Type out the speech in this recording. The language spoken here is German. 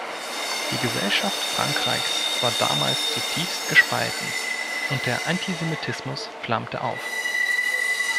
Die Gesellschaft Frankreichs war damals zutiefst gespalten, und der Antisemitismus flammte auf.